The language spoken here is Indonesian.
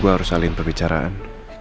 gua harus salin perbicaraan